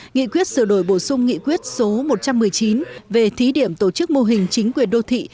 nghị quyết sửa đổi bổ sung nghị quyết số một trăm một mươi chín về thí điểm tổ chức mô hình chính quyền đô thị